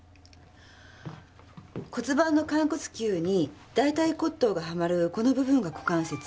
骨盤の寛骨臼に大腿骨頭がはまるこの部分が股関節。